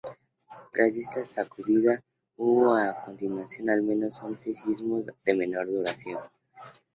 Tras esta sacudida hubo a continuación al menos once sismos de menor duración.